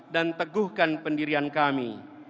dan teguhkan pendirian kami